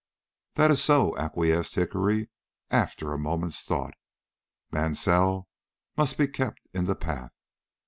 "That is so," acquiesced Hickory, after a moment's thought. "Mansell must be kept in the path.